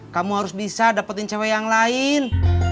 kamu harus bisa dapetin cewek yang lain